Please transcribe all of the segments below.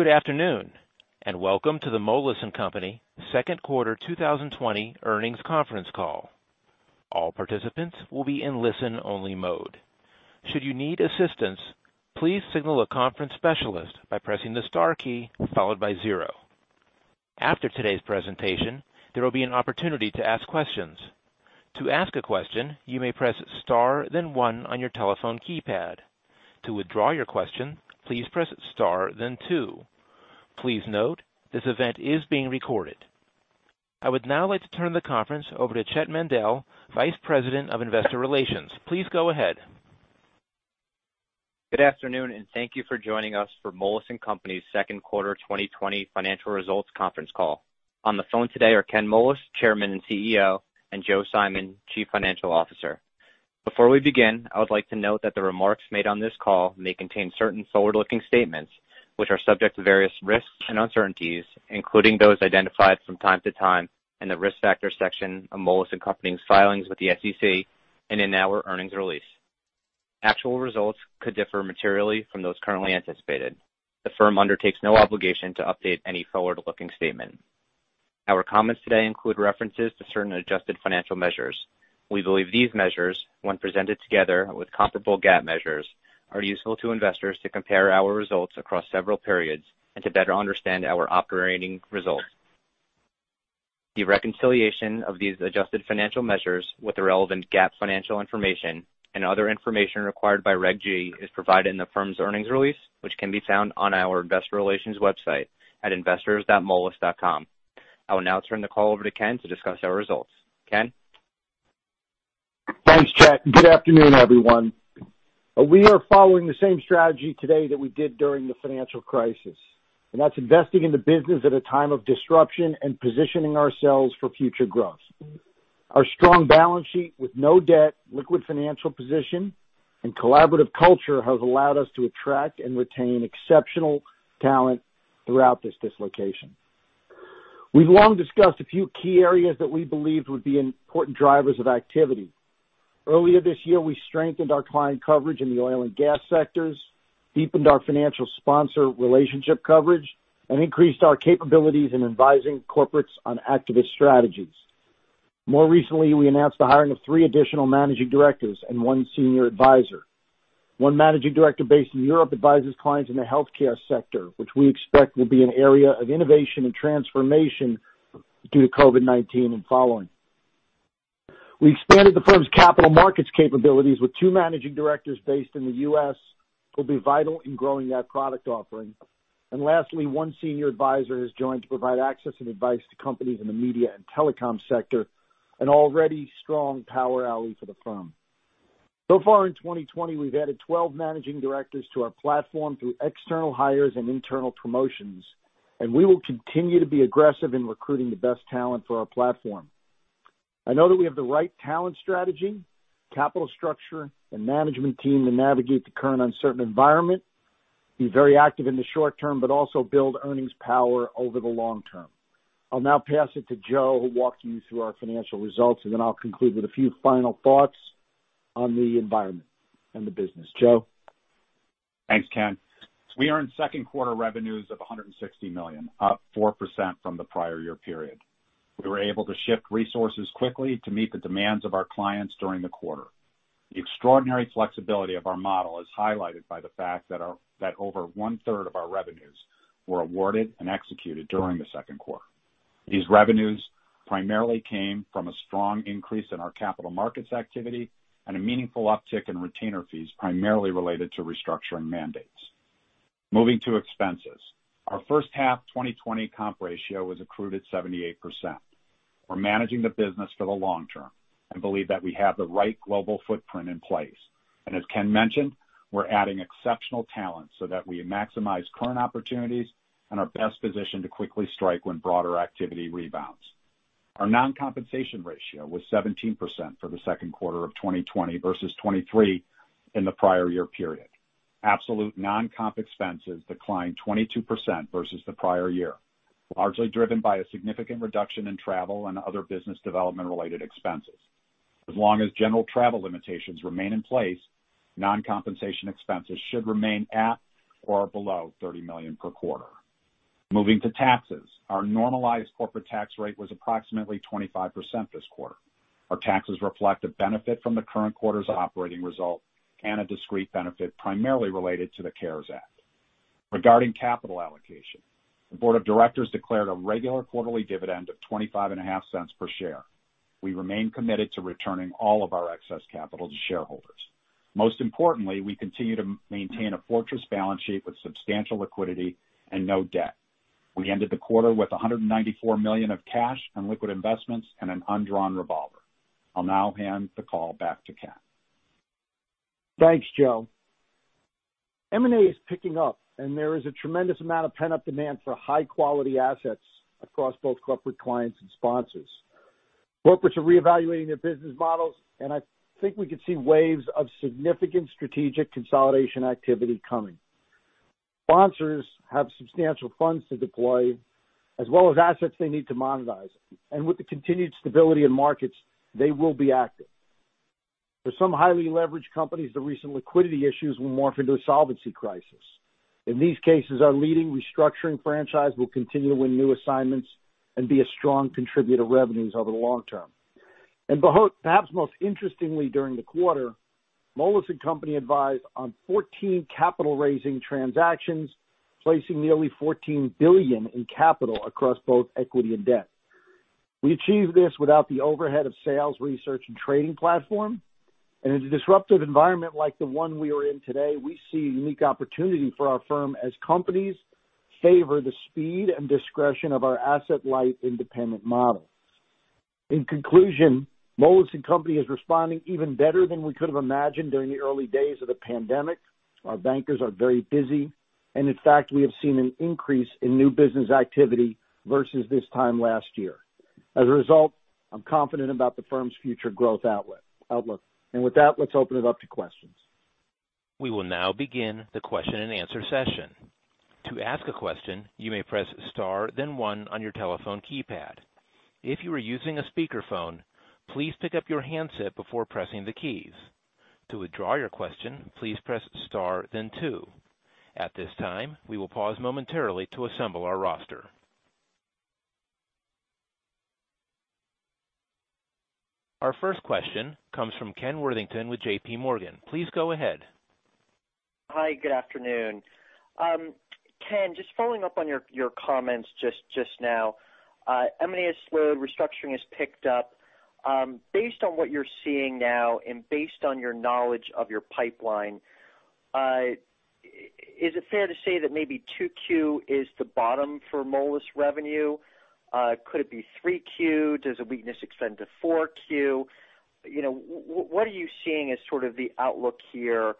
Good afternoon, and welcome to the Moelis & Company second quarter 2020 Earnings Conference Call. All participants will be in listen-only mode. Should you need assistance, please signal a conference specialist by pressing the star key followed by zero. After today's presentation, there will be an opportunity to ask questions. To ask a question, you may press star, then one on your telephone keypad. To withdraw your question, please press star, then two. Please note, this event is being recorded. I would now like to turn the conference over to Chett Mandel, Vice President of Investor Relations. Please go ahead. Good afternoon, and thank you for joining us for Moelis & Company's Second Quarter 2020 Financial Results Conference Call. On the phone today are Ken Moelis, Chairman & CEO, and Joe Simon, Chief Financial Officer. Before we begin, I would like to note that the remarks made on this call may contain certain forward-looking statements, which are subject to various risks and uncertainties, including those identified from time to time in the risk factor section of Moelis & Company's filings with the SEC and in our earnings release. Actual results could differ materially from those currently anticipated. The firm undertakes no obligation to update any forward-looking statement. Our comments today include references to certain adjusted financial measures. We believe these measures, when presented together with comparable GAAP measures, are useful to investors to compare our results across several periods and to better understand our operating results. The reconciliation of these adjusted financial measures with the relevant GAAP financial information and other information required by Reg G is provided in the firm's earnings release, which can be found on our investor relations website at investors.moelis.com. I will now turn the call over to Ken to discuss our results. Ken? Thanks, Chett. Good afternoon, everyone. We are following the same strategy today that we did during the financial crisis, and that's investing in the business at a time of disruption and positioning ourselves for future growth. Our strong balance sheet with no debt, liquid financial position, and collaborative culture have allowed us to attract and retain exceptional talent throughout this dislocation. We've long discussed a few key areas that we believe would be important drivers of activity. Earlier this year, we strengthened our client coverage in the oil and gas sectors, deepened our financial sponsor relationship coverage, and increased our capabilities in advising corporates on activist strategies. More recently, we announced the hiring of three additional managing directors and one senior advisor. One managing director based in Europe advises clients in the healthcare sector, which we expect will be an area of innovation and transformation due to COVID-19 and following. We expanded the firm's capital markets capabilities with two managing directors based in the U.S., who will be vital in growing that product offering. And lastly, one senior advisor has joined to provide access and advice to companies in the media and telecom sector, an already strong power alley for the firm. So far in 2020, we've added 12 managing directors to our platform through external hires and internal promotions, and we will continue to be aggressive in recruiting the best talent for our platform. I know that we have the right talent strategy, capital structure, and management team to navigate the current uncertain environment, be very active in the short term, but also build earnings power over the long term. I'll now pass it to Joe, who will walk you through our financial results, and then I'll conclude with a few final thoughts on the environment and the business. Joe. Thanks, Ken. We earned second quarter revenues of $160 million, up 4% from the prior-year period. We were able to shift resources quickly to meet the demands of our clients during the quarter. The extraordinary flexibility of our model is highlighted by the fact that over 1/3 of our revenues were awarded and executed during the second quarter. These revenues primarily came from a strong increase in our capital markets activity and a meaningful uptick in retainer fees, primarily related to restructuring mandates. Moving to expenses, our first half 2020 comp ratio was accrued at 78%. We're managing the business for the long term and believe that we have the right global footprint in place. And as Ken mentioned, we're adding exceptional talent so that we maximize current opportunities and are best positioned to quickly strike when broader activity rebounds. Our non-compensation ratio was 17% for the second quarter of 2020 versus 23% in the prior year period. Absolute non-comp expenses declined 22% versus the prior year, largely driven by a significant reduction in travel and other business development-related expenses. As long as general travel limitations remain in place, non-compensation expenses should remain at or below $30 million per quarter. Moving to taxes, our normalized corporate tax rate was approximately 25% this quarter. Our taxes reflect a benefit from the current quarter's operating result and a discrete benefit primarily related to the CARES Act. Regarding capital allocation, the board of directors declared a regular quarterly dividend of $0.255 per share. We remain committed to returning all of our excess capital to shareholders. Most importantly, we continue to maintain a fortress balance sheet with substantial liquidity and no debt. We ended the quarter with $194 million of cash and liquid investments and an undrawn revolver. I'll now hand the call back to Ken. Thanks, Joe. M&A is picking up, and there is a tremendous amount of pent-up demand for high-quality assets across both corporate clients and sponsors. Corporates are reevaluating their business models, and I think we could see waves of significant strategic consolidation activity coming. Sponsors have substantial funds to deploy, as well as assets they need to monetize. And with the continued stability in markets, they will be active. For some highly leveraged companies, the recent liquidity issues will morph into a solvency crisis. In these cases, our leading restructuring franchise will continue to win new assignments and be a strong contributor to revenues over the long term. And perhaps most interestingly, during the quarter, Moelis & Company advised on 14 capital-raising transactions, placing nearly $14 billion in capital across both equity and debt. We achieved this without the overhead of sales, research, and trading platform. And in a disruptive environment like the one we are in today, we see a unique opportunity for our firm as companies favor the speed and discretion of our asset-light independent model. In conclusion, Moelis & Company is responding even better than we could have imagined during the early days of the pandemic. Our bankers are very busy, and in fact, we have seen an increase in new business activity versus this time last year. As a result, I'm confident about the firm's future growth outlook. And with that, let's open it up to questions. We will now begin the question and answer session. To ask a question, you may press star, then one on your telephone keypad. If you are using a speakerphone, please pick up your handset before pressing the keys. To withdraw your question, please press star, then two. At this time, we will pause momentarily to assemble our roster. Our first question comes from Ken Worthington with JPMorgan. Please go ahead. Hi, good afternoon. Ken, just following up on your comments just now, M&A has slowed, restructuring has picked up. Based on what you're seeing now and based on your knowledge of your pipeline, is it fair to say that maybe 2Q is the bottom for Moelis revenue? Could it be 3Q? Does a weakness extend to 4Q? What are you seeing as sort of the outlook here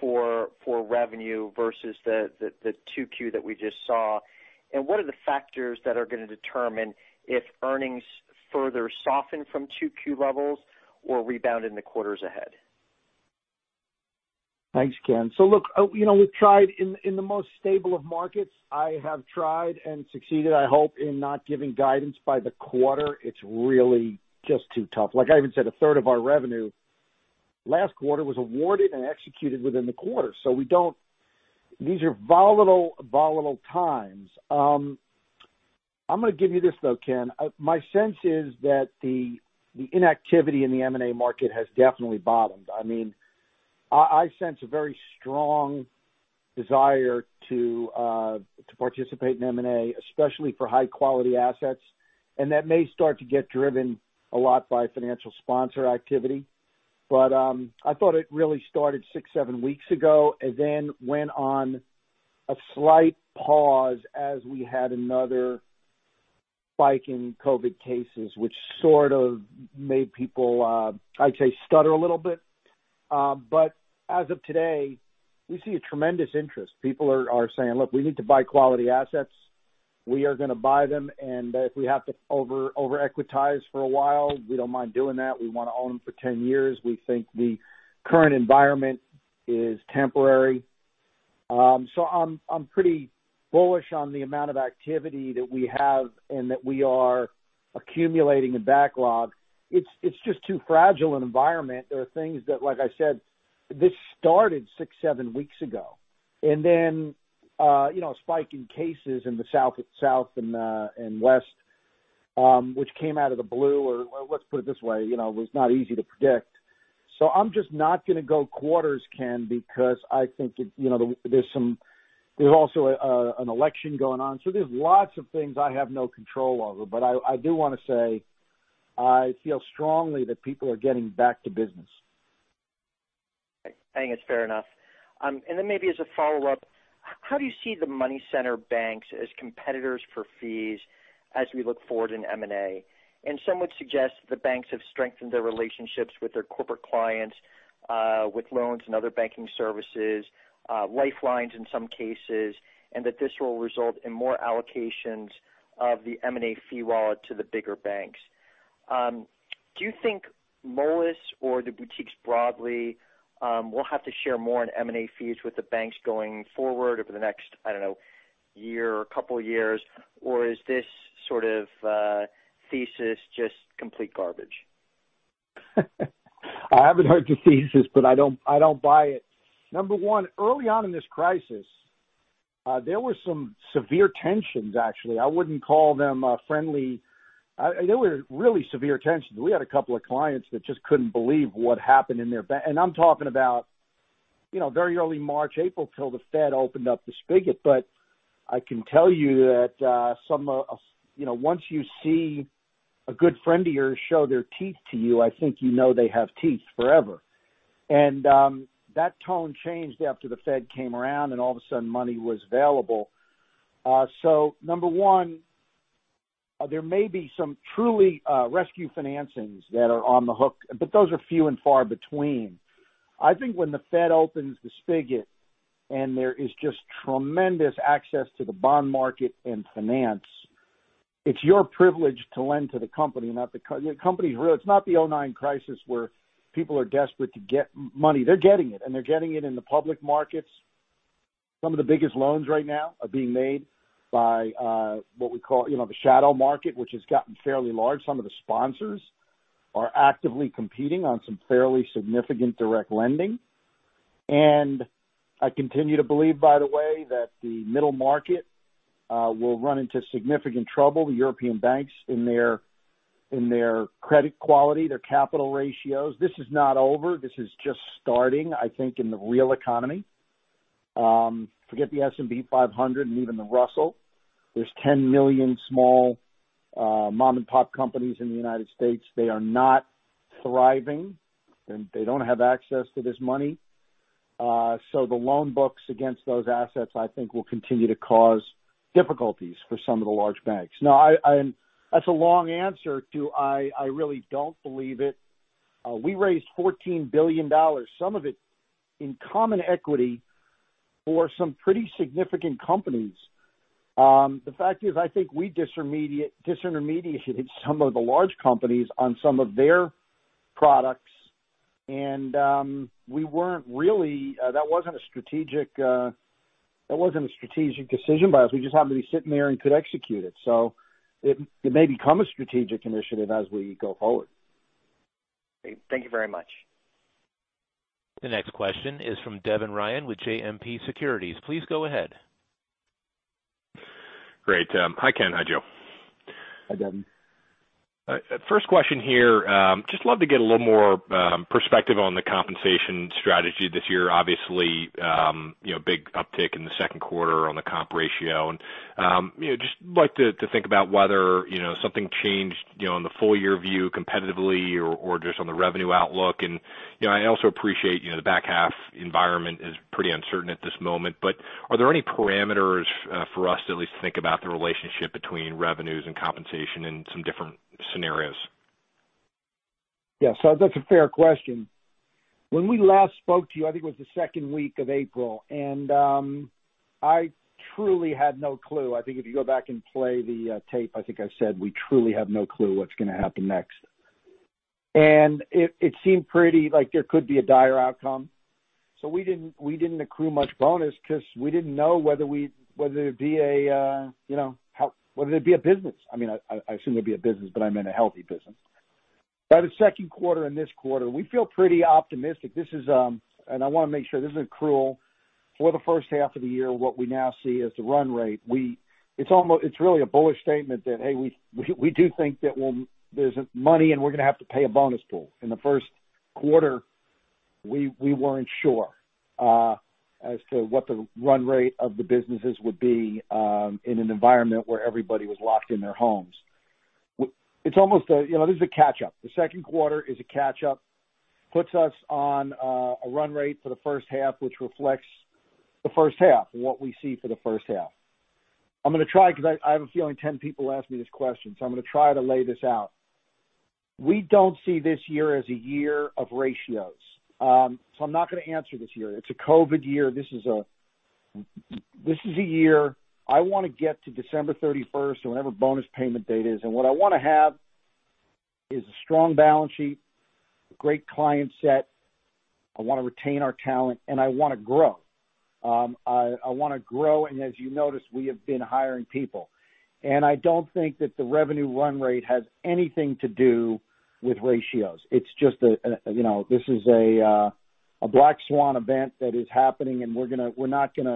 for revenue versus the 2Q that we just saw? And what are the factors that are going to determine if earnings further soften from 2Q levels or rebound in the quarters ahead? Thanks, Ken. So look, we've tried in the most stable of markets. I have tried and succeeded, I hope, in not giving guidance by the quarter. It's really just too tough. Like I even said, a third of our revenue last quarter was awarded and executed within the quarter. So these are volatile, volatile times. I'm going to give you this though, Ken. My sense is that the inactivity in the M&A market has definitely bottomed. I mean, I sense a very strong desire to participate in M&A, especially for high-quality assets. And that may start to get driven a lot by financial sponsor activity. But I thought it really started six, seven weeks ago, and then went on a slight pause as we had another spike in COVID cases, which sort of made people, I'd say, stutter a little bit. But as of today, we see a tremendous interest. People are saying, "Look, we need to buy quality assets. We are going to buy them. And if we have to over-equitize for a while, we don't mind doing that. We want to own them for 10 years. We think the current environment is temporary." So I'm pretty bullish on the amount of activity that we have and that we are accumulating and backlogged. It's just too fragile an environment. There are things that, like I said, this started six, seven weeks ago. And then a spike in cases in the South and West, which came out of the blue, or let's put it this way, was not easy to predict. So I'm just not going to go quarters, Ken, because I think there's also an election going on. So there's lots of things I have no control over. But I do want to say I feel strongly that people are getting back to business. I think it's fair enough. And then maybe as a follow-up, how do you see the money center banks as competitors for fees as we look forward in M&A? And some would suggest the banks have strengthened their relationships with their corporate clients, with loans and other banking services, lifelines in some cases, and that this will result in more allocations of the M&A fee wallet to the bigger banks. Do you think Moelis or the boutiques broadly will have to share more in M&A fees with the banks going forward over the next, I don't know, year or a couple of years? Or is this sort of thesis just complete garbage? I haven't heard the thesis, but I don't buy it. Number one, early on in this crisis, there were some severe tensions, actually. I wouldn't call them friendly. There were really severe tensions. We had a couple of clients that just couldn't believe what happened in their bank, and I'm talking about very early March, April till the Fed opened up the spigot, but I can tell you that once you see a good friend of yours show their teeth to you, I think you know they have teeth forever, and that tone changed after the Fed came around, and all of a sudden, money was available. So number one, there may be some truly rescue financings that are on the hook, but those are few and far between. I think when the Fed opens the spigot and there is just tremendous access to the bond market and finance, it's your privilege to lend to the company. It's not the 2009 crisis where people are desperate to get money. They're getting it, and they're getting it in the public markets. Some of the biggest loans right now are being made by what we call the shadow market, which has gotten fairly large. Some of the sponsors are actively competing on some fairly significant direct lending. And I continue to believe, by the way, that the middle market will run into significant trouble. The European banks in their credit quality, their capital ratios. This is not over. This is just starting, I think, in the real economy. Forget the S&P 500 and even the Russell. There's 10 million small mom-and-pop companies in the United States. They are not thriving, and they don't have access to this money. So the loan books against those assets, I think, will continue to cause difficulties for some of the large banks. Now, that's a long answer to "I really don't believe it." We raised $14 billion, some of it in common equity for some pretty significant companies. The fact is, I think we disintermediated some of the large companies on some of their products. And that wasn't a strategic decision by us. We just happened to be sitting there and could execute it. So it may become a strategic initiative as we go forward. Thank you very much. The next question is from Devin Ryan with JMP Securities. Please go ahead. Great. Hi, Ken. Hi, Joe. Hi, Devin. First question here. Just love to get a little more perspective on the compensation strategy this year. Obviously, big uptick in the second quarter on the comp ratio. And just like to think about whether something changed in the full year view competitively or just on the revenue outlook. And I also appreciate the back half environment is pretty uncertain at this moment. But are there any parameters for us at least to think about the relationship between revenues and compensation in some different scenarios? Yeah. So that's a fair question. When we last spoke to you, I think it was the second week of April, and I truly had no clue. I think if you go back and play the tape, I think I said we truly have no clue what's going to happen next, and it seemed pretty like there could be a dire outcome. So we didn't accrue much bonus because we didn't know whether there'd be a business. I mean, I assume there'd be a business, but I meant a healthy business. By the second quarter and this quarter, we feel pretty optimistic, and I want to make sure this isn't cruel. For the first half of the year, what we now see is the run rate. It's really a bullish statement that, hey, we do think that there's money and we're going to have to pay a bonus pool. In the first quarter, we weren't sure as to what the run rate of the businesses would be in an environment where everybody was locked in their homes. It's almost like this is a catch-up. The second quarter is a catch-up. It puts us on a run rate for the first half, which reflects the first half and what we see for the first half. I'm going to try because I have a feeling 10 people asked me this question. So I'm going to try to lay this out. We don't see this year as a year of ratios. So I'm not going to answer this year. It's a COVID year. This is a year I want to get to December 31st or whenever bonus payment date is. And what I want to have is a strong balance sheet, great client set. I want to retain our talent, and I want to grow. I want to grow. And as you noticed, we have been hiring people. And I don't think that the revenue run rate has anything to do with ratios. It's just this is a black swan event that is happening, and we're not going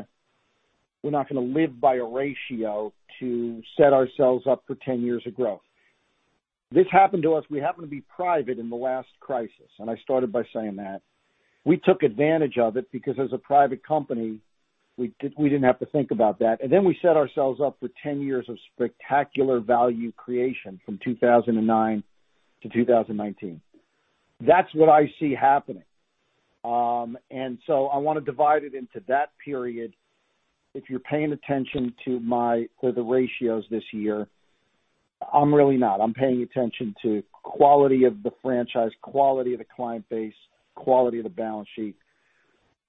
to live by a ratio to set ourselves up for 10 years of growth. This happened to us. We happened to be private in the last crisis. And I started by saying that. We took advantage of it because as a private company, we didn't have to think about that. And then we set ourselves up for 10 years of spectacular value creation from 2009-2019. That's what I see happening. And so I want to divide it into that period. If you're paying attention to the ratios this year, I'm really not. I'm paying attention to quality of the franchise, quality of the client base, quality of the balance sheet.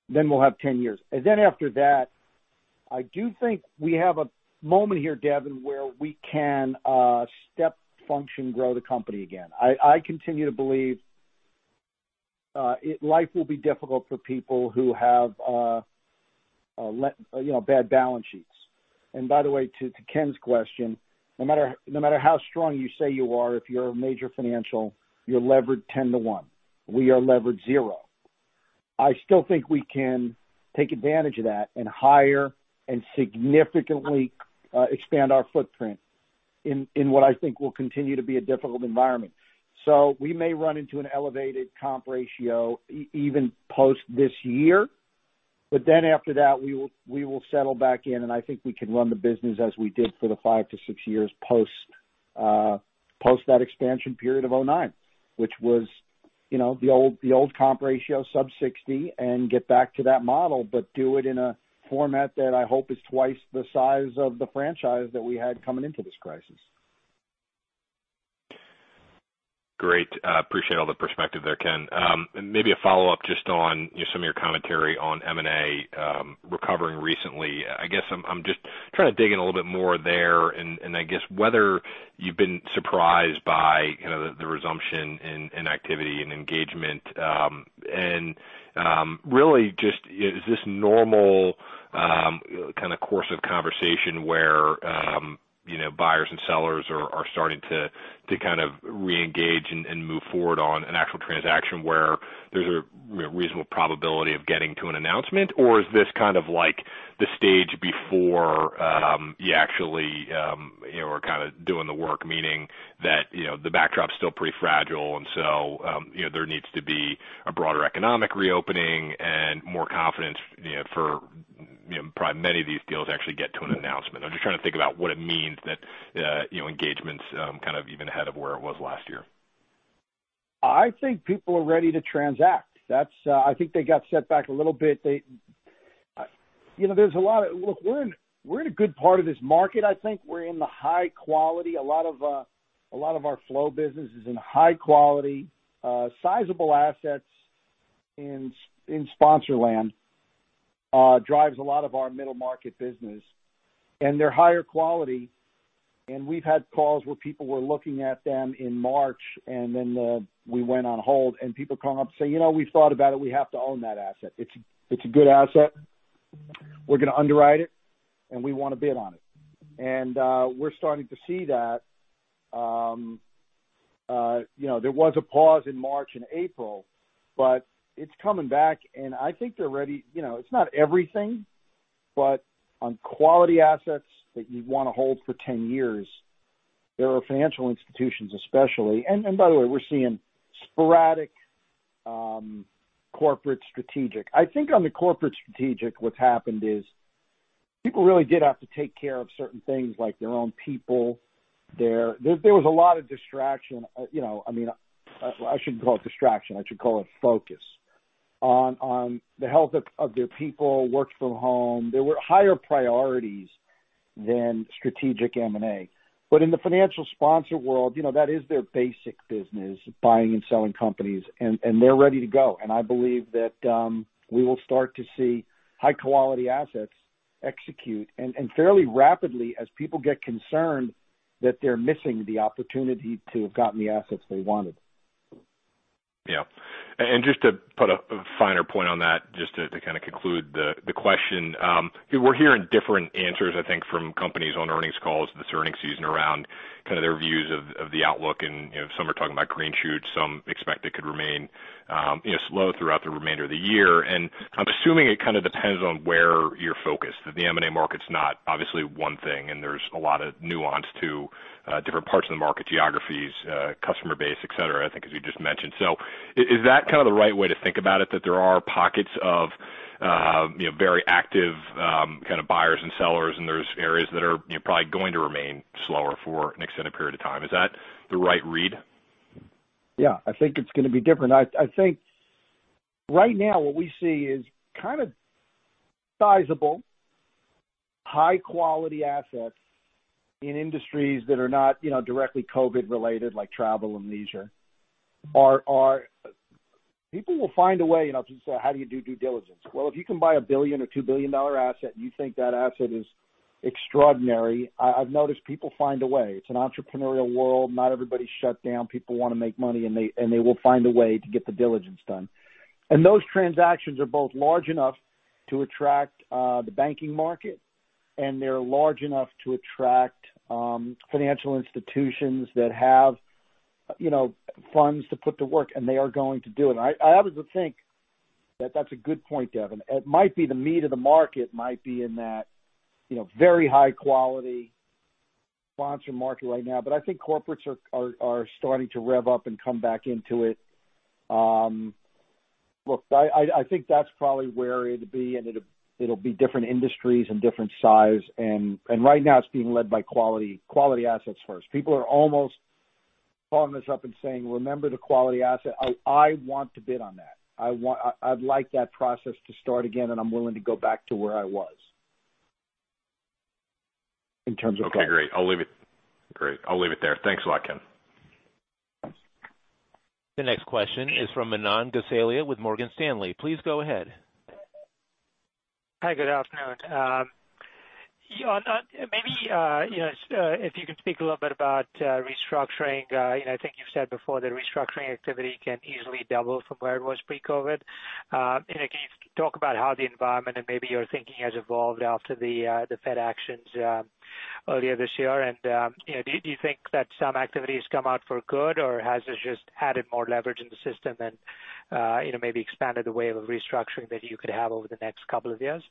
Then we'll have 10 years. And then after that, I do think we have a moment here, Devin, where we can step-function grow the company again. I continue to believe life will be difficult for people who have bad balance sheets. And by the way, to Ken's question, no matter how strong you say you are, if you're a major financial, you're levered 10-1. We are levered 0. I still think we can take advantage of that and hire and significantly expand our footprint in what I think will continue to be a difficult environment. So we may run into an elevated comp ratio even post this year. But then after that, we will settle back in. And I think we can run the business as we did for the five to six years post that expansion period of 2009, which was the old comp ratio, sub 60, and get back to that model, but do it in a format that I hope is twice the size of the franchise that we had coming into this crisis. Great. Appreciate all the perspective there, Ken. Maybe a follow-up just on some of your commentary on M&A recovering recently. I guess I'm just trying to dig in a little bit more there. And I guess whether you've been surprised by the resumption in activity and engagement. And really just, is this normal kind of course of conversation where buyers and sellers are starting to kind of reengage and move forward on an actual transaction where there's a reasonable probability of getting to an announcement? Or is this kind of like the stage before you actually are kind of doing the work, meaning that the backdrop's still pretty fragile and so there needs to be a broader economic reopening and more confidence for probably many of these deals to actually get to an announcement? I'm just trying to think about what it means that engagements kind of even ahead of where it was last year. I think people are ready to transact. I think they got set back a little bit. There's a lot of look, we're in a good part of this market. I think we're in the high quality. A lot of our flow business is in high-quality, sizable assets in sponsor land drives a lot of our middle-market business. And they're higher quality. And we've had calls where people were looking at them in March, and then we went on hold. And people are calling up and saying, "We've thought about it. We have to own that asset. It's a good asset. We're going to underwrite it, and we want to bid on it." And we're starting to see that. There was a pause in March and April, but it's coming back. And I think they're ready. It's not everything, but on quality assets that you want to hold for 10 years, there are financial institutions, especially, and by the way, we're seeing sporadic corporate strategic. I think on the corporate strategic, what's happened is people really did have to take care of certain things like their own people. There was a lot of distraction. I mean, I shouldn't call it distraction. I should call it focus on the health of their people, work from home. There were higher priorities than strategic M&A, but in the financial sponsor world, that is their basic business, buying and selling companies, and they're ready to go. I believe that we will start to see high-quality assets execute, and fairly rapidly, as people get concerned that they're missing the opportunity to have gotten the assets they wanted. Yeah, and just to put a finer point on that, just to kind of conclude the question, we're hearing different answers, I think, from companies on earnings calls this earnings season around kind of their views of the outlook, and some are talking about green shoots. Some expect it could remain slow throughout the remainder of the year, and I'm assuming it kind of depends on where you're focused. The M&A market's not obviously one thing, and there's a lot of nuance to different parts of the market, geographies, customer base, etc., I think, as you just mentioned, so is that kind of the right way to think about it, that there are pockets of very active kind of buyers and sellers, and there's areas that are probably going to remain slower for an extended period of time? Is that the right read? Yeah. I think it's going to be different. I think right now, what we see is kind of sizable, high-quality assets in industries that are not directly COVID-related, like travel and leisure. People will find a way. People say, "How do you do due diligence?" Well, if you can buy $1 billion or $2 billion asset and you think that asset is extraordinary, I've noticed people find a way. It's an entrepreneurial world. Not everybody's shut down. People want to make money, and they will find a way to get the diligence done. And those transactions are both large enough to attract the banking market, and they're large enough to attract financial institutions that have funds to put to work, and they are going to do it. I happen to think that that's a good point, Devin. It might be the meat of the market might be in that very high-quality sponsor market right now. But I think corporates are starting to rev up and come back into it. Look, I think that's probably where it'll be. And it'll be different industries and different size. And right now, it's being led by quality assets first. People are almost calling us up and saying, "Remember the quality asset. I want to bid on that. I'd like that process to start again, and I'm willing to go back to where I was in terms of price. Okay. Great. I'll leave it there. Thanks a lot, Ken. The next question is from Manan Gosalia with Morgan Stanley. Please go ahead. Hi. Good afternoon. Maybe if you can speak a little bit about restructuring. I think you've said before that restructuring activity can easily double from where it was pre-COVID. Can you talk about how the environment and maybe your thinking has evolved after the Fed actions earlier this year? And do you think that some activity has come out for good, or has this just added more leverage in the system, and maybe expanded the way of restructuring that you could have over the next couple of years?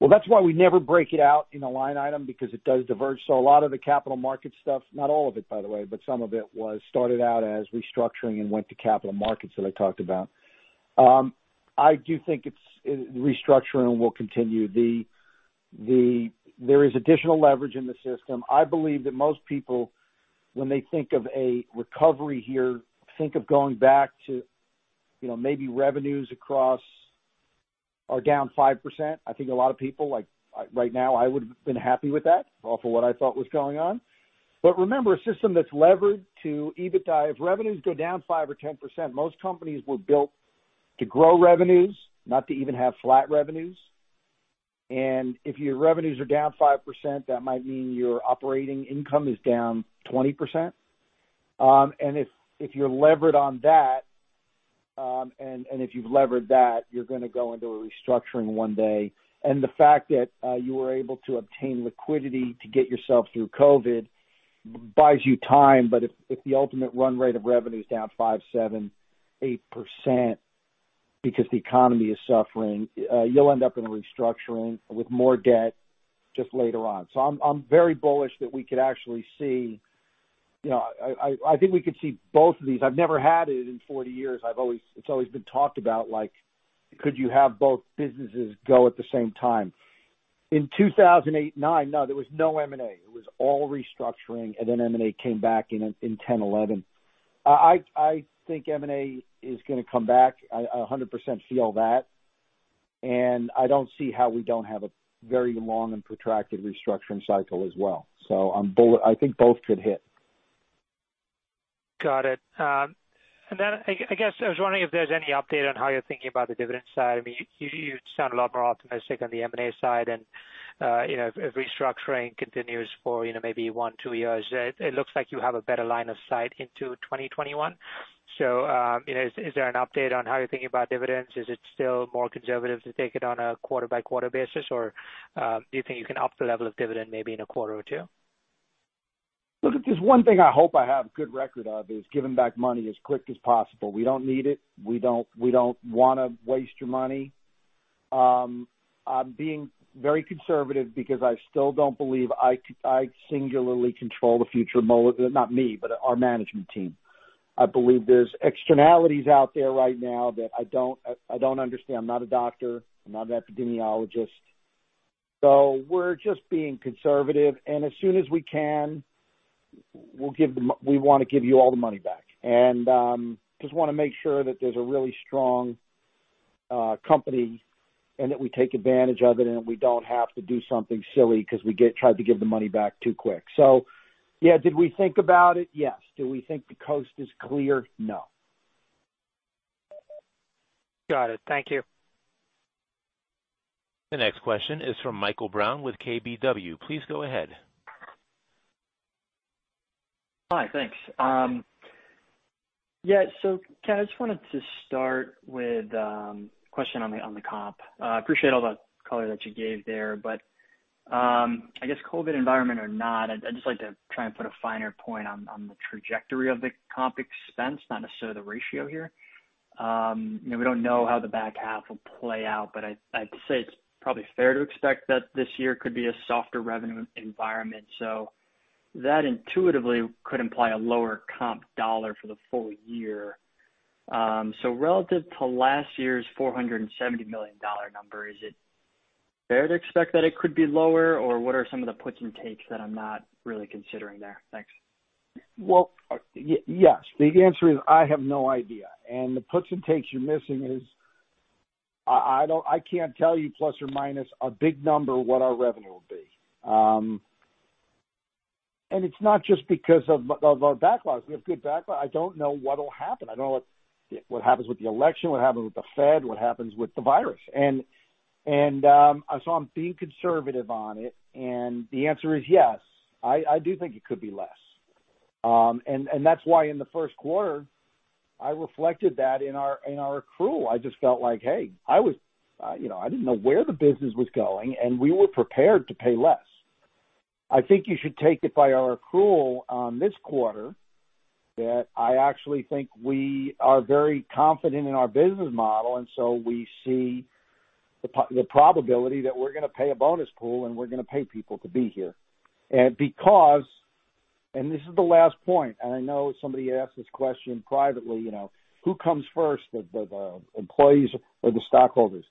Well, that's why we never break it out in a line item because it does diverge. So a lot of the capital market stuff, not all of it, by the way, but some of it was started out as restructuring and went to capital markets that I talked about. I do think restructuring will continue. There is additional leverage in the system. I believe that most people, when they think of a recovery here, think of going back to maybe revenues across are down 5%. I think a lot of people, like right now, I would have been happy with that off of what I thought was going on. But remember, a system that's levered to even if revenues go down 5% or 10%, most companies were built to grow revenues, not to even have flat revenues. And if your revenues are down 5%, that might mean your operating income is down 20%. And if you've levered that, you're going to go into a restructuring one day. And the fact that you were able to obtain liquidity to get yourself through COVID buys you time. But if the ultimate run rate of revenue is down 5%, 7%, 8% because the economy is suffering, you'll end up in a restructuring with more debt just later on. So I'm very bullish that we could actually see I think we could see both of these. I've never had it in 40 years. It's always been talked about, like, could you have both businesses go at the same time? In 2008, 2009, no, there was no M&A. It was all restructuring. And then M&A came back in 2010, 2011. I think M&A is going to come back. 100% feel that. And I don't see how we don't have a very long and protracted restructuring cycle as well. So I think both could hit. Got it. And then I guess I was wondering if there's any update on how you're thinking about the dividend side. I mean, you sound a lot more optimistic on the M&A side. And if restructuring continues for maybe one, two years, it looks like you have a better line of sight into 2021. So is there an update on how you're thinking about dividends? Is it still more conservative to take it on a quarter-by-quarter basis, or do you think you can up the level of dividend maybe in a quarter or two? Look, there's one thing I hope I have good record of is giving back money as quick as possible. We don't need it. We don't want to waste your money. I'm being very conservative because I still don't believe I singularly control the future. Not me, but our management team. I believe there's externalities out there right now that I don't understand. I'm not a doctor. I'm not an epidemiologist, so we're just being conservative, and as soon as we can, we want to give you all the money back, and just want to make sure that there's a really strong company and that we take advantage of it and we don't have to do something silly because we tried to give the money back too quick, so yeah, did we think about it? Yes. Do we think the coast is clear? No. Got it. Thank you. The next question is from Michael Brown with KBW. Please go ahead. Hi. Thanks. Yeah. So Ken, I just wanted to start with a question on the comp. I appreciate all the color that you gave there. But I guess COVID environment or not, I'd just like to try and put a finer point on the trajectory of the comp expense, not necessarily the ratio here. We don't know how the back half will play out, but I'd say it's probably fair to expect that this year could be a softer revenue environment. So that intuitively could imply a lower comp dollar for the full year. So relative to last year's $470 million number, is it fair to expect that it could be lower, or what are some of the puts and takes that I'm not really considering there? Thanks. Well, yes. The answer is I have no idea. And the puts and takes you're missing is I can't tell you plus or minus a big number what our revenue will be. And it's not just because of our backlogs. We have good backlogs. I don't know what will happen. I don't know what happens with the election, what happens with the Fed, what happens with the virus. And so I'm being conservative on it. And the answer is yes. I do think it could be less. And that's why in the first quarter, I reflected that in our accrual. I just felt like, "Hey, I didn't know where the business was going, and we were prepared to pay less." I think you should take it by our accrual on this quarter that I actually think we are very confident in our business model. And so we see the probability that we're going to pay a bonus pool, and we're going to pay people to be here. And this is the last point. And I know somebody asked this question privately. Who comes first, the employees or the stockholders?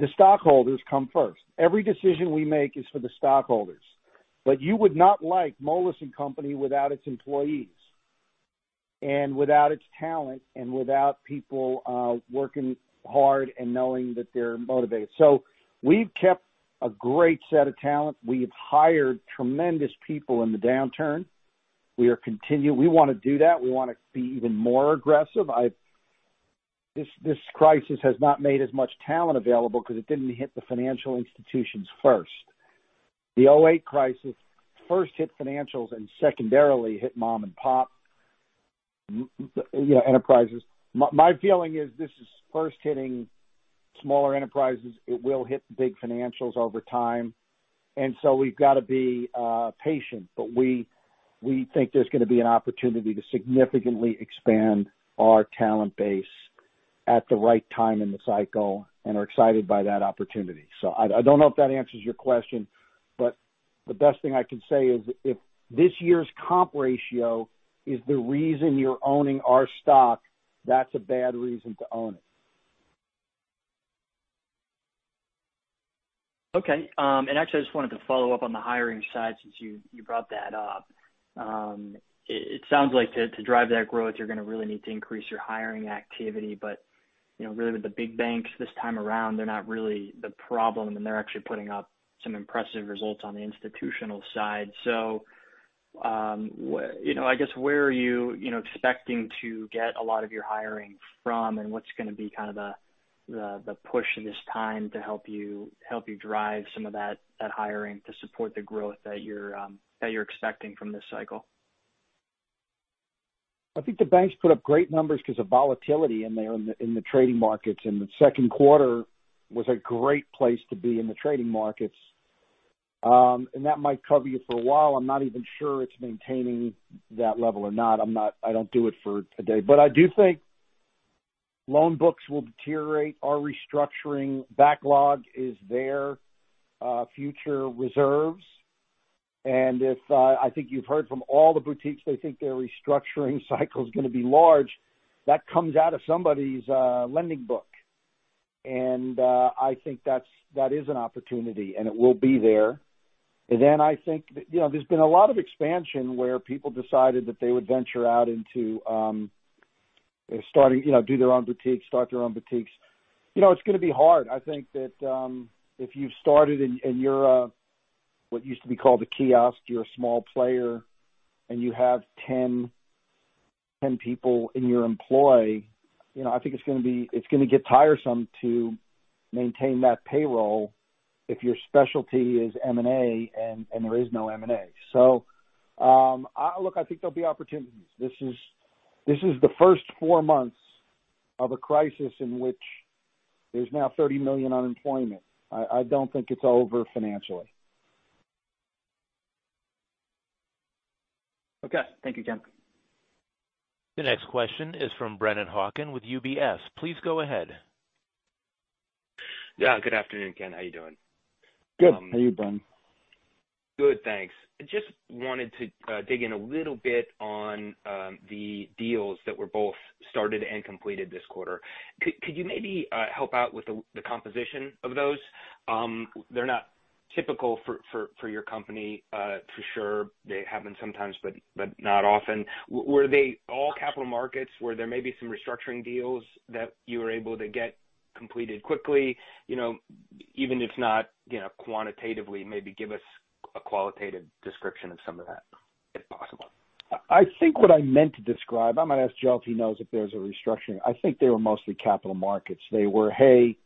The stockholders come first. Every decision we make is for the stockholders. But you would not like Moelis & Company without its employees and without its talent and without people working hard and knowing that they're motivated. So we've kept a great set of talent. We've hired tremendous people in the downturn. We want to do that. We want to be even more aggressive. This crisis has not made as much talent available because it didn't hit the financial institutions first. The 2008 crisis first hit financials and secondarily hit mom-and-pop enterprises. My feeling is this is first hitting smaller enterprises. It will hit the big financials over time. And so we've got to be patient. But we think there's going to be an opportunity to significantly expand our talent base at the right time in the cycle and are excited by that opportunity. So I don't know if that answers your question, but the best thing I can say is if this year's comp ratio is the reason you're owning our stock, that's a bad reason to own it. Okay. And actually, I just wanted to follow up on the hiring side since you brought that up. It sounds like to drive that growth, you're going to really need to increase your hiring activity. But really, with the big banks this time around, they're not really the problem, and they're actually putting up some impressive results on the institutional side. So I guess where are you expecting to get a lot of your hiring from, and what's going to be kind of the push this time to help you drive some of that hiring to support the growth that you're expecting from this cycle? I think the banks put up great numbers because of volatility in the trading markets, and the second quarter was a great place to be in the trading markets, and that might cover you for a while. I'm not even sure it's maintaining that level or not. I don't do it for a day, but I do think loan books will deteriorate. Our restructuring backlog is their future reserves, and I think you've heard from all the boutiques, they think their restructuring cycle is going to be large. That comes out of somebody's lending book, and I think that is an opportunity, and it will be there, and then I think there's been a lot of expansion where people decided that they would venture out into starting to do their own boutiques, start their own boutiques. It's going to be hard. I think that if you've started in what used to be called a kiosk, you're a small player, and you have 10 people in your employ. I think it's going to get tiresome to maintain that payroll if your specialty is M&A and there is no M&A. So look, I think there'll be opportunities. This is the first four months of a crisis in which there's now 30 million unemployment. I don't think it's over financially. Okay. Thank you, Ken. The next question is from Brennan Hawken with UBS. Please go ahead. Yeah. Good afternoon, Ken. How are you doing? Good. How are you, Brennan? Good. Thanks. Just wanted to dig in a little bit on the deals that were both started and completed this quarter. Could you maybe help out with the composition of those? They're not typical for your company for sure. They happen sometimes, but not often. Were they all capital markets where there may be some restructuring deals that you were able to get completed quickly? Even if not quantitatively, maybe give us a qualitative description of some of that, if possible. I think what I meant to describe, I'm going to ask Joe if he knows if there's a restructuring. I think they were mostly capital markets. They were, "Hey,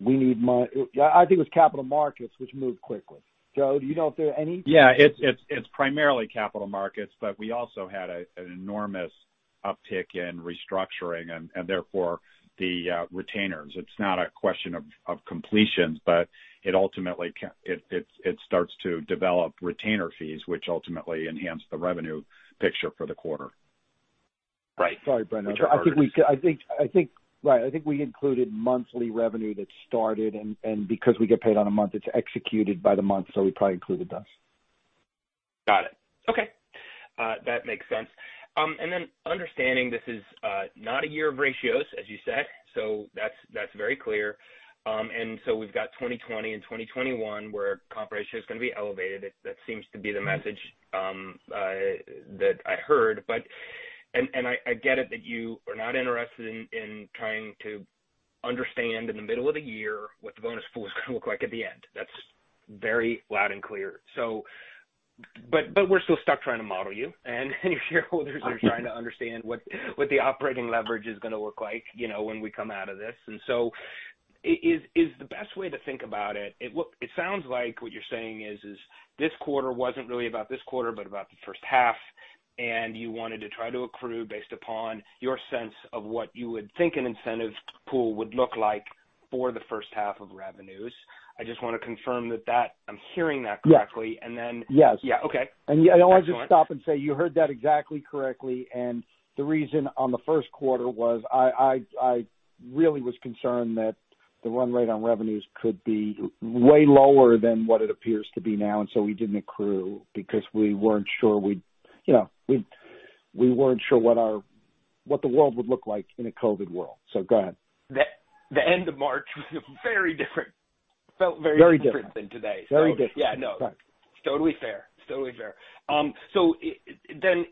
we need money." I think it was capital markets, which moved quickly. Joe, do you know if there are any? Yeah. It's primarily capital markets, but we also had an enormous uptick in restructuring and therefore the retainers. It's not a question of completions, but it ultimately starts to develop retainer fees, which ultimately enhance the revenue picture for the quarter. Right. Sorry, Brennan. I think we included monthly revenue that started, and because we get paid on a month, it's executed by the month, so we probably included those. Got it. Okay. That makes sense. And then understanding this is not a year of ratios, as you said. So that's very clear. And so we've got 2020 and 2021 where comp ratio is going to be elevated. That seems to be the message that I heard. And I get it that you are not interested in trying to understand in the middle of the year what the bonus pool is going to look like at the end. That's very loud and clear. But we're still stuck trying to model you. And your shareholders are trying to understand what the operating leverage is going to look like when we come out of this. And so, is the best way to think about it? It sounds like what you're saying is this quarter wasn't really about this quarter, but about the first half, and you wanted to try to accrue based upon your sense of what you would think an incentive pool would look like for the first half of revenues. I just want to confirm that I'm hearing that correctly. And then. Yes. And I wanted to stop and say you heard that exactly correctly. And the reason on the first quarter was I really was concerned that the run rate on revenues could be way lower than what it appears to be now. And so we didn't accrue because we weren't sure what the world would look like in a COVID world. So go ahead. The end of March felt very different than today. Very different. Yeah. No. Totally fair. So then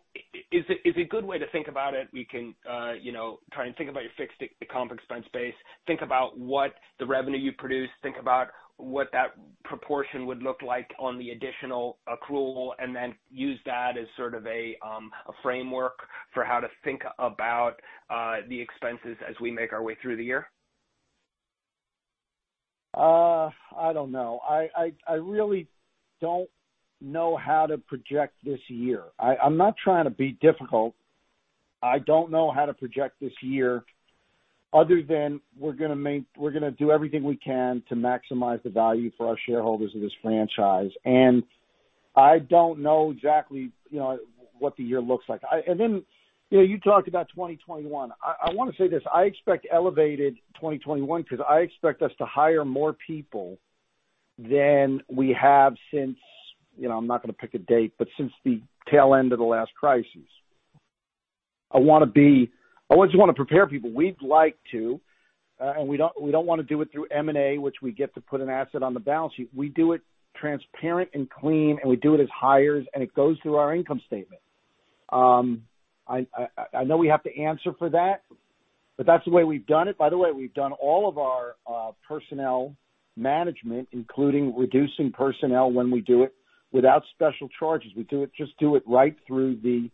is it a good way to think about it? We can try and think about your fixed comp expense base. Think about what the revenue you produce. Think about what that proportion would look like on the additional accrual, and then use that as sort of a framework for how to think about the expenses as we make our way through the year. I don't know. I really don't know how to project this year. I'm not trying to be difficult. I don't know how to project this year other than we're going to do everything we can to maximize the value for our shareholders of this franchise. And I don't know exactly what the year looks like. And then you talked about 2021. I want to say this. I expect elevated 2021 because I expect us to hire more people than we have since I'm not going to pick a date, but since the tail end of the last crisis. I want to be. I always want to prepare people. We'd like to, and we don't want to do it through M&A, which we get to put an asset on the balance sheet. We do it transparent and clean, and we do it as hires, and it goes through our income statement. I know we have to answer for that, but that's the way we've done it. By the way, we've done all of our personnel management, including reducing personnel when we do it without special charges. We just do it right through the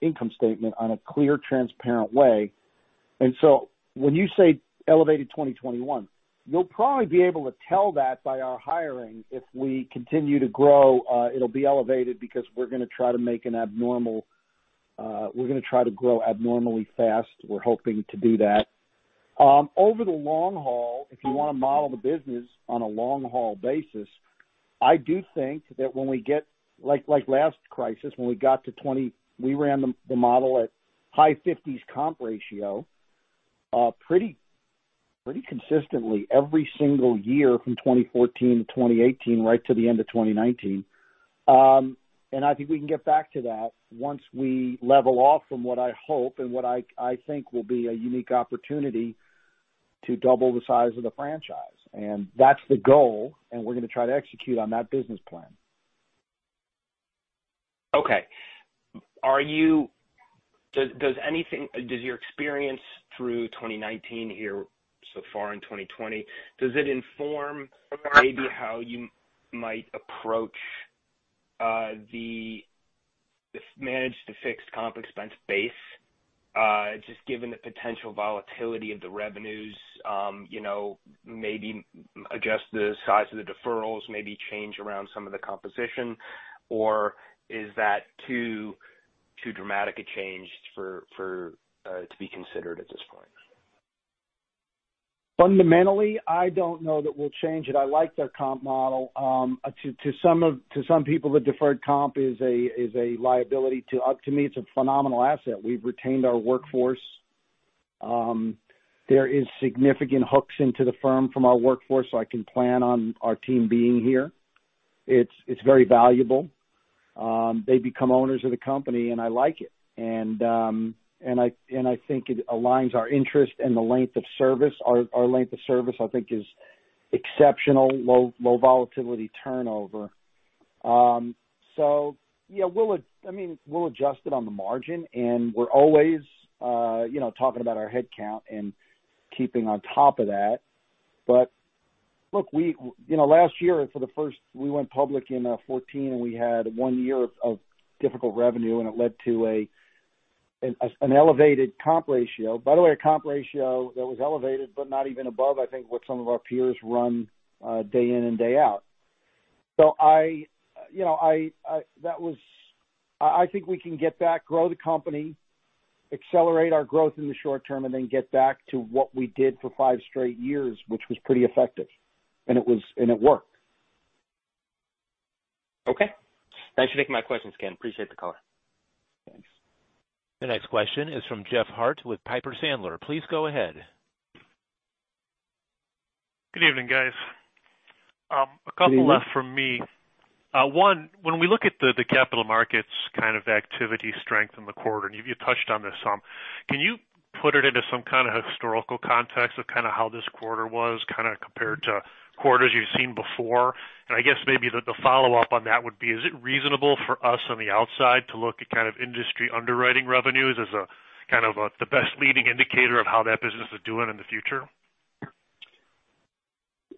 income statement in a clear, transparent way, and so when you say elevated 2021, you'll probably be able to tell that by our hiring. If we continue to grow, it'll be elevated because we're going to try to grow abnormally fast. We're hoping to do that. Over the long haul, if you want to model the business on a long haul basis, I do think that when we get like last crisis, when we got to 2020 we ran the model at high 50s comp ratio pretty consistently every single year from 2014-2018 right to the end of 2019. I think we can get back to that once we level off from what I hope and what I think will be a unique opportunity to double the size of the franchise. That's the goal, and we're going to try to execute on that business plan. Okay. Does your experience through 2019 here so far in 2020, does it inform maybe how you might approach the mix of fixed comp expense base, just given the potential volatility of the revenues, maybe adjust the size of the deferrals, maybe change around some of the composition? Or is that too dramatic a change to be considered at this point? Fundamentally, I don't know that we'll change it. I like their comp model. To some people, the deferred comp is a liability, but to me, it's a phenomenal asset. We've retained our workforce. There are significant hooks into the firm from our workforce, so I can plan on our team being here. It's very valuable. They become owners of the company, and I like it. And I think it aligns our interest and the length of service. Our length of service, I think, is exceptional, low volatility turnover. So yeah, I mean, we'll adjust it on the margin. And we're always talking about our headcount and keeping on top of that. But look, last year, for the first, we went public in 2014, and we had one year of difficult revenue, and it led to an elevated comp ratio. By the way, a comp ratio that was elevated, but not even above, I think, what some of our peers run day in and day out. So that was. I think we can get back, grow the company, accelerate our growth in the short term, and then get back to what we did for five straight years, which was pretty effective, and it worked. Okay. Thanks for taking my questions, Ken. Appreciate the call. Thanks. The next question is from Jeffrey Harte with Piper Sandler. Please go ahead. Good evening, guys. A couple left for me. One, when we look at the capital markets kind of activity strength in the quarter, and you touched on this some, can you put it into some kind of historical context of kind of how this quarter was kind of compared to quarters you've seen before? And I guess maybe the follow-up on that would be, is it reasonable for us on the outside to look at kind of industry underwriting revenues as kind of the best leading indicator of how that business is doing in the future?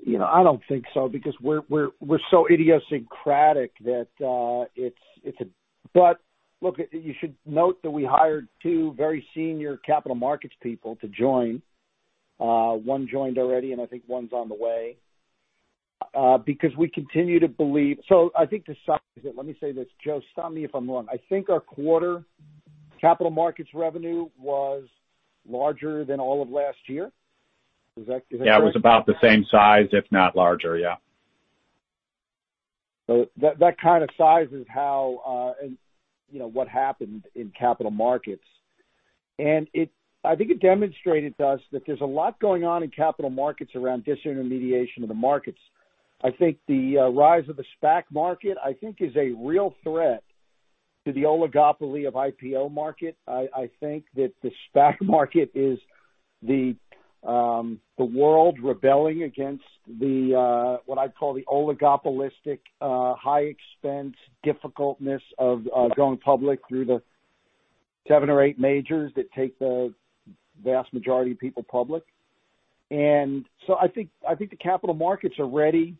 I don't think so because we're so idiosyncratic that it's a-- but look, you should note that we hired two very senior capital markets people to join. One joined already, and I think one's on the way. Because we continue to believe so I think the size of it let me say this, Joe, stop me if I'm wrong. I think our quarter capital markets revenue was larger than all of last year. Is that correct? Yeah. It was about the same size, if not larger. Yeah. So that kind of size is how and what happened in capital markets. And I think it demonstrated to us that there's a lot going on in capital markets around disintermediation of the markets. I think the rise of the SPAC market, I think, is a real threat to the oligopoly of IPO market. I think that the SPAC market is the world rebelling against what I call the oligopolistic high expense difficultness of going public through the seven or eight majors that take the vast majority of people public. And so I think the capital markets are ready.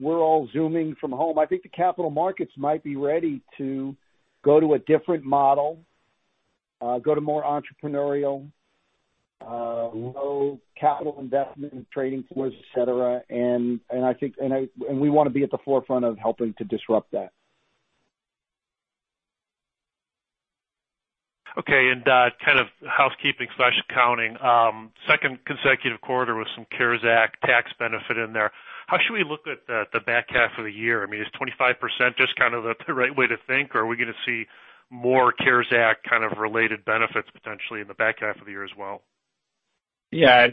We're all zooming from home. I think the capital markets might be ready to go to a different model, go to more entrepreneurial, low capital investment, trading floors, etc. And I think we want to be at the forefront of helping to disrupt that. Okay. Kind of housekeeping/accounting. Second consecutive quarter with some CARES Act tax benefit in there. How should we look at the back half of the year? I mean, is 25% just kind of the right way to think, or are we going to see more CARES Act kind of related benefits potentially in the back half of the year as well? Yeah.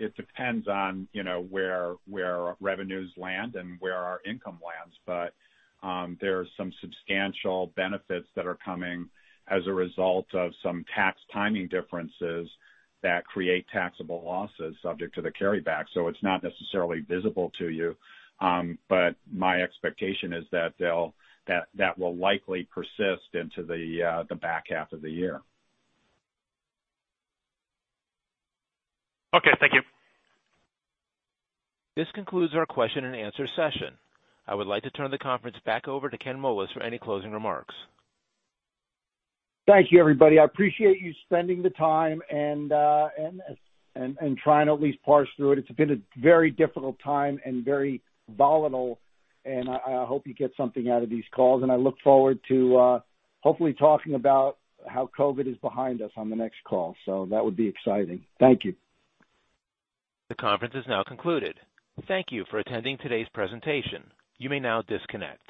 It depends on where our revenues land and where our income lands. But there are some substantial benefits that are coming as a result of some tax timing differences that create taxable losses subject to the carryback. So it's not necessarily visible to you. But my expectation is that that will likely persist into the back half of the year. Okay. Thank you. This concludes our question and answer session. I would like to turn the conference back over to Ken Moelis for any closing remarks. Thank you, everybody. I appreciate you spending the time and trying to at least parse through it. It's been a very difficult time and very volatile, and I hope you get something out of these calls. I look forward to hopefully talking about how COVID is behind us on the next call, so that would be exciting. Thank you. The conference is now concluded. Thank you for attending today's presentation. You may now disconnect.